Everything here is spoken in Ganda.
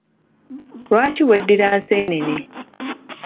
Lwaki weddira nseenene?